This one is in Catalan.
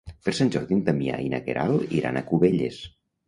Per Sant Jordi en Damià i na Queralt iran a Cubelles.